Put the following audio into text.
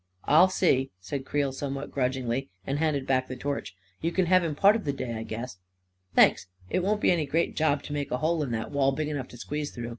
" 44 I'll see," said Creel, somewhat grudgingly, and handed back the torch. u You can have him part of the day, I guess." 44 Thanks. It won't be any great job to make a hole in that wall big enough to squeeze through.